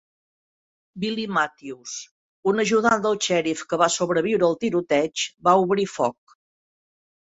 Billy Matthews, un ajudant del xèrif que va sobreviure al tiroteig, va obrir foc.